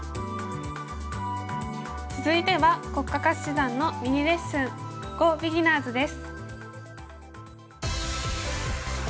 続いては黒嘉嘉七段のミニレッスン「ＧＯビギナーズ」です。